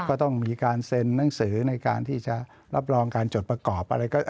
ก็ต้องมีการเซ็นหนังสือในการที่จะรับรองการจดประกอบอะไร